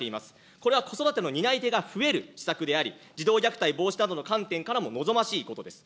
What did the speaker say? これは子育ての担い手が増える施策であり、児童虐待防止などの観点からも望ましいことです。